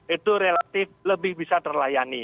itu relatif lebih bisa terlayani